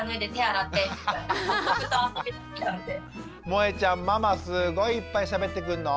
もえちゃんママすごいいっぱいしゃべってくんの？